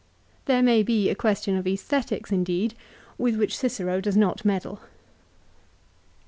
There may be a question of esthetics indeed with which Cicero does not meddle.